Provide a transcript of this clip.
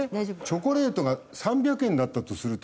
チョコレートが３００円だったとすると。